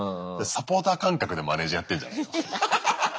サポーター感覚でマネージャーやってんじゃないの。